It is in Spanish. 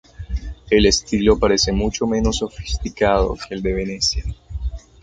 El estilo parece mucho menos sofisticado que el de Venecia.